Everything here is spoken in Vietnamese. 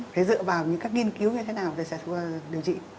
phải dựa vào những các nghiên cứu như thế nào để sẽ được điều trị